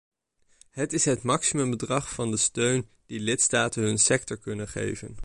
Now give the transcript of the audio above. Het is het maximumbedrag van de steun die lidstaten hun sector kunnen geven.